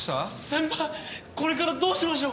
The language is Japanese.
先輩これからどうしましょう？